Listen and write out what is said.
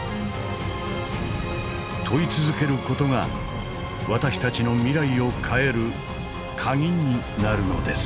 問い続ける事が私たちの未来を変える鍵になるのです。